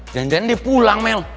jangan jangan dia pulang mel